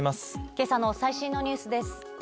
今朝の最新のニュースです。